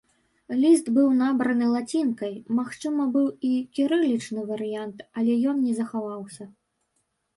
Ліст быў набраны лацінкай, магчыма быў і кірылічны варыянт, але ён не захаваўся.